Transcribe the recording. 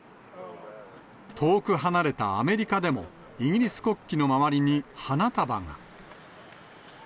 遠く離れたアメリカでも、イギリス国旗の周りに花束が。